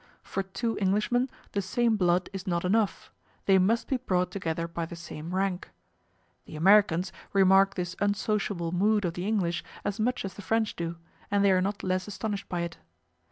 For two Englishmen the same blood is not enough; they must be brought together by the same rank. The Americans remark this unsociable mood of the English as much as the French do, and they are not less astonished by it.